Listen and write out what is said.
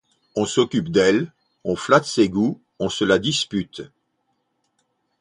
On s’occupe d’elle, on flatte ses goûts, on se la dispute!